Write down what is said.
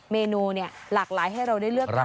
เมนูเนี่ยหลากหลายให้เราได้เลือกค่า